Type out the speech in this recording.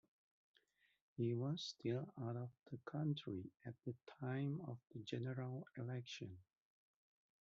He was still out of the country at the time of the general election.